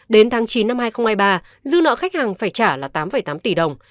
đến tháng chín năm hai nghìn hai mươi ba dư nợ khách hàng phải trả là tám tám tỷ đồng